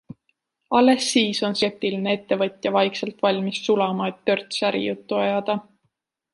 Alles siis on skeptiline ettevõtja vaikselt valmis sulama, et törts ärijuttu ajada.